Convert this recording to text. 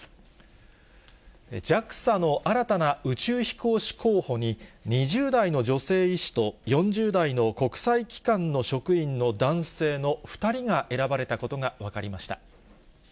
ＪＡＸＡの新たな宇宙飛行士候補に、２０代の女性医師と４０代の国際機関の職員の男性の２人が選ばれたことが分かりました。